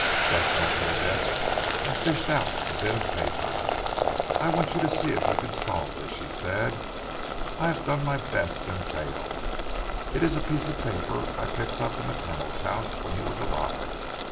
Bess went to her desk and fished out a bit of paper. "I want you to see if you can solve this," she said. "I have done my best and failed. It is a piece of paper I picked up in the Colonel's house when he was alive.